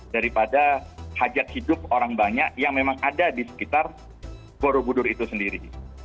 daripada hajat hidup orang banyak yang memang ada di sekitar borobudur itu sendiri